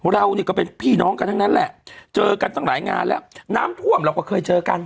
เราเนี่ยก็เป็นพี่น้องกันทั้งนั้นแหละเจอกันตั้งหลายงานแล้วน้ำท่วมเราก็เคยเจอกัน